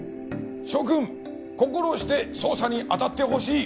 諸君心して捜査に当たってほしい。